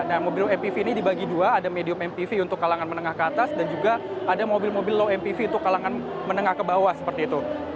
nah mobil mpv ini dibagi dua ada medium mpv untuk kalangan menengah ke atas dan juga ada mobil mobil low mpv untuk kalangan menengah ke bawah seperti itu